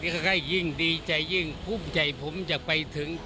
ค่อยยิ่งดีใจยิ่งภูมิใจผมจะไปถึง